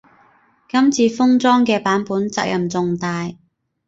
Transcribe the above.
今次封裝嘅版本責任重大